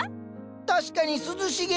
確かに涼しげ。